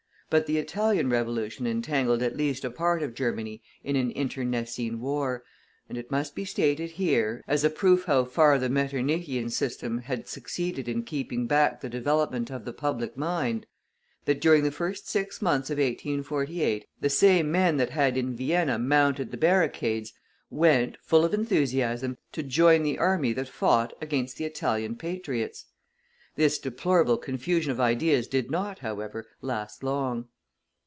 But the Italian Revolution entangled at least a part of Germany in an internecine war, and it must be stated here, as a proof how far the Metternichian system had succeeded in keeping back the development of the public mind, that during the first six months of 1848, the same men that had in Vienna mounted the barricades, went, full of enthusiasm, to join the army that fought against the Italian patriots. This deplorable confusion of ideas did not, however, last long.